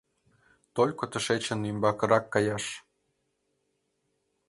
Только тышечын умбакырак каяш!